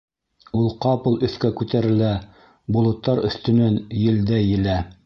Ул ҡапыл өҫкә күтәрелә, болоттар өҫтөнән елдәй елә.